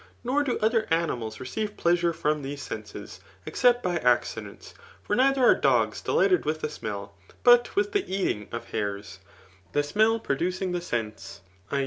Nor do other animals receive pleasure from these senses, except by accident. For neither are dogs delighted with the smell, but with the eating, of hares ; the smell produdng the sense p.